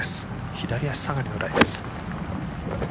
左足下がりのライです。